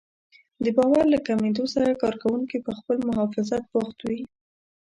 د باور له کمېدو سره کار کوونکي پر خپل محافظت بوخت وي.